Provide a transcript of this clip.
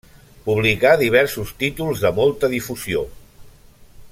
Publicà diversos títols de molta difusió.